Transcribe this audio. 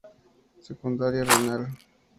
Secundaria: renal.